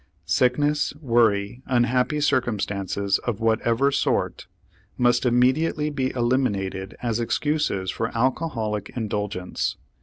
Sickness, worry, unhappy circumstances of whatever sort must immediately be eliminated as excuses for alcoholic indulgence.